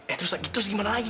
eh terus gimana lagi